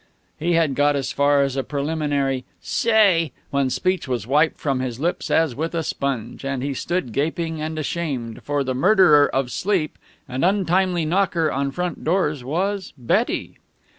He had got as far as a preliminary "Say!" when speech was wiped from his lips as with a sponge, and he stood gaping and ashamed, for the murderer of sleep and untimely knocker on front doors was Betty.